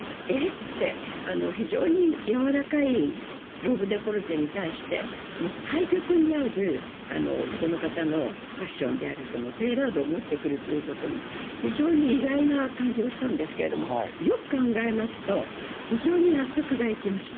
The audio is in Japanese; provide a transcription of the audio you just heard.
って、非常に柔らかいローブデコルテに対して、対極にある男の方のファッションである、テーラードを持ってくることに、非常に意外な感じがしたんですけども、よく考えますと、非常に納得がいきました。